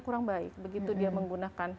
kurang baik begitu dia menggunakan